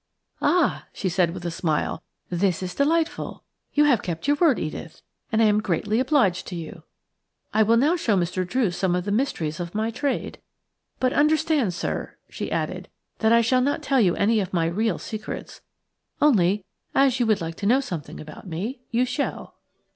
"Ah!" she said, with a smile. "This is delightful. You have kept your word, Edith, and I am greatly obliged to you. I will now show Mr. Druce some of the mysteries of my trade. But understand, sir," she added, "that I shall not tell you any of my real secrets, only as you would like to know something about me you shall."